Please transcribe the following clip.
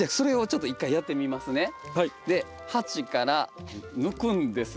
で鉢から抜くんですが。